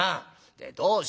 でどうした？」。